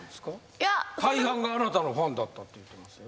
大半があなたのファンだったって言ってますよ。